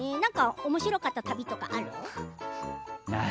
おもしろかった旅とかある？